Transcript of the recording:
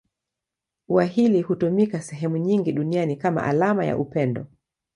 Ua hili hutumika sehemu nyingi duniani kama alama ya upendo.